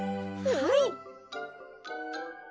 はい！